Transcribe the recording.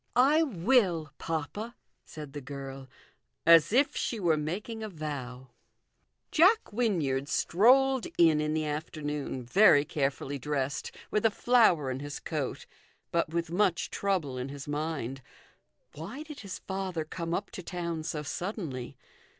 " I will, papa," said the girl, as if she were making a vow. Jack Wynyard strolled in in the afternoon, very carefully dressed, with a flower in his coat, but with much trouble in his mind. Why did his father come up to town so suddenly